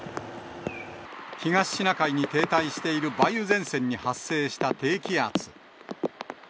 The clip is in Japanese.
東シナ海に停滞している梅雨前線に発生した低気圧。